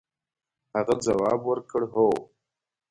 هغه ځواب ورکړ هو.